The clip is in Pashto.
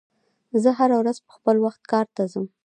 زه هره ورځ په خپل وخت کار ته ځم.